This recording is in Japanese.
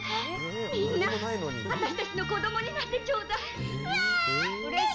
みんな、私たちの子供になってちょうだい！